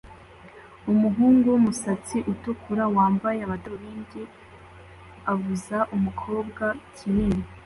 umuhungu wumusatsi utukura wambaye amadarubindi avuza umukobwa kinini